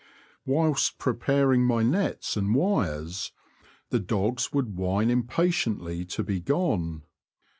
Whilst preparing my nets and wires, the dogs would whine impatiently to be gone.